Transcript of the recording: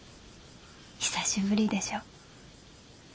久しぶりでしょ。